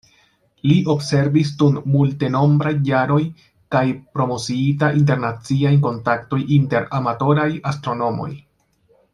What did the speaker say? Li observis dum multenombraj jaroj kaj promociita internaciajn kontaktojn inter amatoraj astronomoj.